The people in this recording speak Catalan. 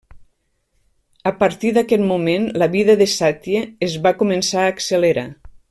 A partir d'aquest moment, la vida de Satie es va començar a accelerar.